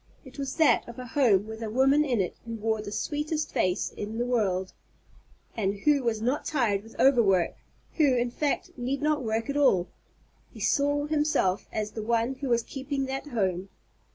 It was that of a home, with a woman in it who wore the sweetest face in the world, and who was not tired with overwork, who, in fact, need not work at all. He saw himself as the one who was keeping that home.